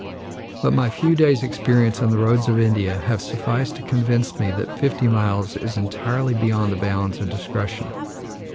But my few days' experience on the roads of India have sufficed to convince me that fifty miles is entirely beyond the bounds of discretion.